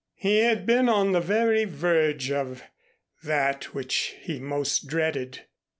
He had been on the very verge of that which he most dreaded.